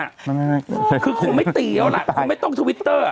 คือคงไม่ตีเอาล่ะคงไม่ต้องทวิตเตอร์